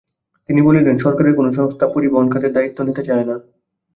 তিনি বলেন, সরকারের কোনো সংস্থা পরিবহন খাতের দায়িত্ব নিতে চায় না।